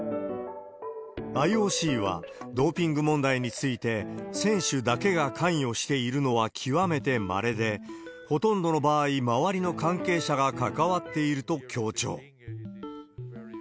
ＩＯＣはドーピング問題について、選手だけが関与しているのは極めてまれで、ほとんどの場合、周りの関係者が関わっていると強調。